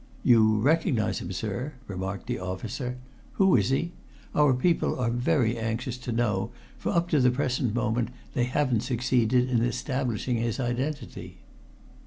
"You recognize him, sir?" remarked the officer. "Who is he? Our people are very anxious to know, for up to the present moment they haven't succeeded in establishing his identity."